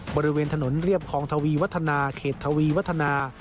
บริเวณถนนเรียบคลองทวีวัฒนาเขตทวีวัฒนา